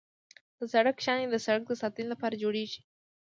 د سړک شانې د سړک د ساتنې لپاره جوړیږي